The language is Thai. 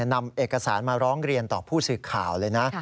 นำเอกสารมาร้องเรียนต่อผู้สื่อข่าวเลยนะ